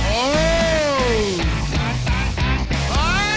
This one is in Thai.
โอ้ว